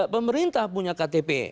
pemerintah punya ktp